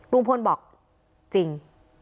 ลุงพลบอกจริง